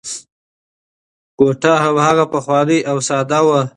کوټه هماغه پخوانۍ او ساده وه.